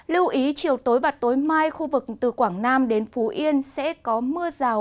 lưu ý chiều tối và tối mai khu vực từ quảng nam đến phú yên sẽ có mưa rào